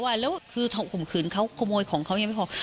ว่าแล้วคือข่มขืนเขาขโมยของเขายังไม่พอ